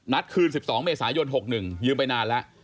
คืน๑๒เมษายน๖๑ยืมไปนานแล้ว